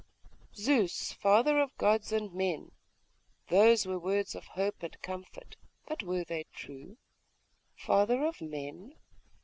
'Zeus, father of gods and men.'.... Those were words of hope and comfort.... But were they true? Father of men?